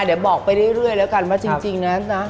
เดี๋ยวบอกไปเรื่อยแล้วกันว่าจริงนะ